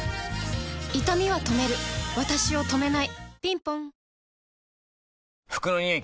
いたみは止めるわたしを止めないぴんぽん服のニオイ